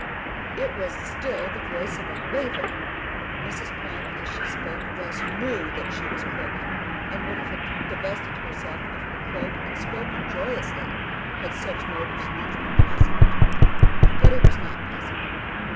It was still the voice of a raven! Mrs. Prime as she spoke thus knew that she was croaking, and would have divested herself of her croak and spoken joyously, had such mode of speech been possible to her. But it was not possible.